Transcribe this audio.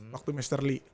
waktu mr lee